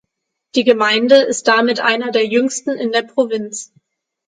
Die Gemeinde ist damit einer der jüngsten in der Provinz.